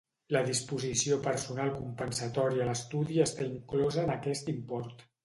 La disposició personal compensatòria a l'estudi està inclosa en aquest import.